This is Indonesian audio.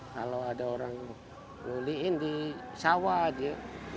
kalau ada orang nuliin di sawah dia